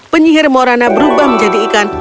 penyihir morana berubah menjadi ikan